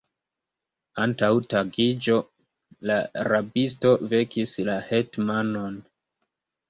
Antaŭ tagiĝo la rabisto vekis la hetmanon.